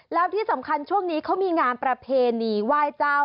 แล้วที่สำคัญช่วงนี้เขามีงานประเพณีไหว้เจ้า